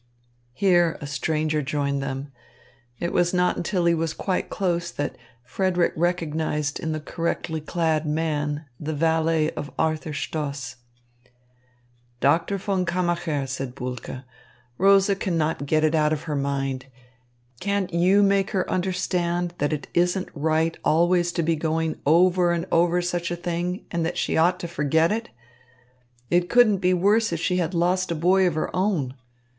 Here a stranger joined them. It was not until he was quite close that Frederick recognised in the correctly clad man the valet of Arthur Stoss. "Doctor von Kammacher," said Bulke, "Rosa cannot get it out of her mind. Can't you make her understand that it isn't right always to be going over and over such a thing and that she ought to forget it? It couldn't be worse if she had lost a boy of her own.